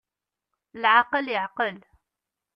Lɛaqel iɛqel.